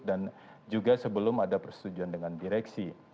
dan juga sebelum ada persetujuan dengan direksi